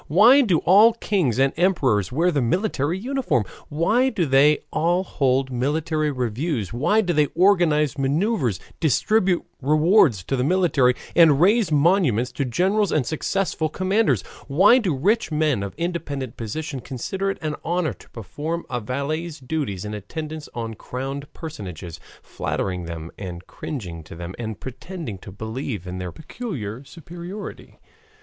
Why do all kings and emperors wear the military uniform? Why do they all hold military reviews, why do they organize maneuvers, distribute rewards to the military, and raise monuments to generals and successful commanders? Why do rich men of independent position consider it an honor to perform a valet's duties in attendance on crowned personages, flattering them and cringing to them and pretending to believe in their peculiar superiority?